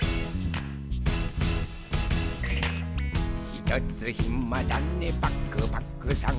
「ひとつひまだねパクパクさん」